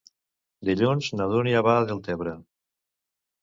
Dilluns na Dúnia va a Deltebre.